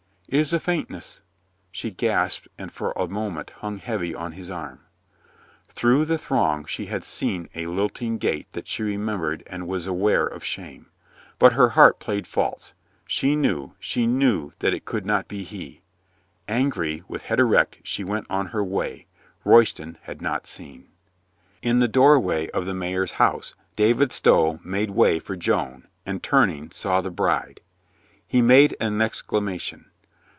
It is a faintness," she gasped, and for a moment hung heavy on his arm. Through the throng she had seen a lilting gait that she remembered and was aware of shame. But her heart played false. She knew, she knew that it could not be he. Angry, with head erect, she went on her way. Royston had not seen. In the doorway of the mayor's house, David Stow made way for Joan, and, turning, saw the bride. He made an exclamation.